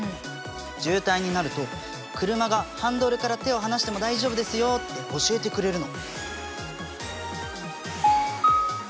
渋滞になると車が「ハンドルから手を離しても大丈夫ですよ」って教えてくれるの。